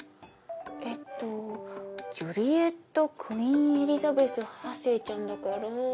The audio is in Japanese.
えっとジュリエット・クイーン・エリザベス８世ちゃんだから。